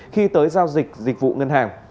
khi tới giao dịch dịch vụ ngân hàng